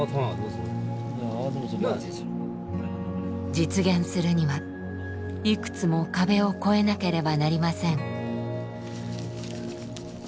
実現するにはいくつも壁を越えなければなりません。